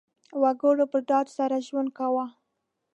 وګړو په ډاډ سره ژوند کاوه.